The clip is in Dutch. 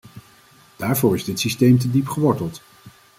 Daarvoor is dit systeem te diep geworteld.